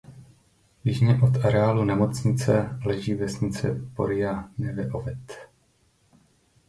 Jižně od areálu nemocnice leží vesnice Porija Neve Oved.